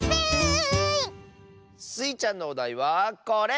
スイちゃんのおだいはこれ！